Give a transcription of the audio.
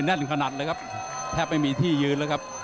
แน่นขนาดเลยครับแทบไม่มีที่ยืน